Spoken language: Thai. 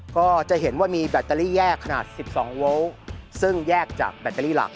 ก็จะเห็นว่ามีแบตเตอรี่แยกขนาด๑๒โวลต์ซึ่งแยกจากแบตเตอรี่หลัก